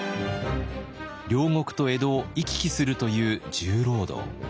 領国と江戸を行き来するという重労働。